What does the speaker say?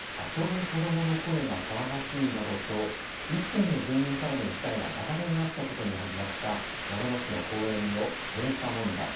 遊ぶ子どもの声が騒がしいなどと、一軒の住民からの訴えが長年あったことに始まった、長野市の公園の閉鎖問題。